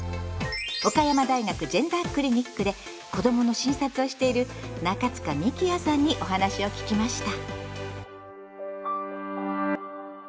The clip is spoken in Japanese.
岡山大学ジェンダークリニックで子どもの診察をしている中塚幹也さんにお話を聞きました。